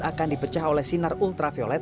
akan dipecah oleh sinar ultraviolet